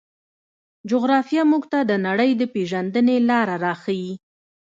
جغرافیه موږ ته د نړۍ د پېژندنې لاره راښيي.